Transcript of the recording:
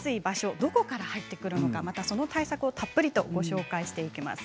どこから入ってくるのかその対策をたっぷりとご紹介していきます。